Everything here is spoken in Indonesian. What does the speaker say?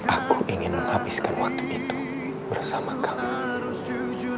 aku ingin menghabiskan waktu itu bersama kamu